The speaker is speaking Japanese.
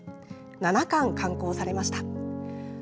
７巻刊行されました。